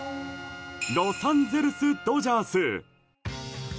ロサンゼルス・ドジャース！